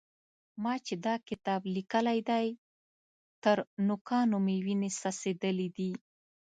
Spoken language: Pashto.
ما چې دا کتاب لیکلی دی؛ تر نوکانو مې وينې څڅېدلې دي.